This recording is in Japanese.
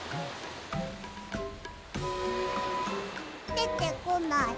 でてこない。